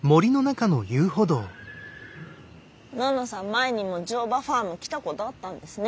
前にも乗馬ファーム来たことあったんですね。